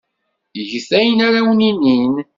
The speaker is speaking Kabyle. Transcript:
Get ayen ara awen-inin.